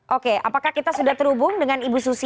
oke apakah kita sudah terhubung dengan ibu susi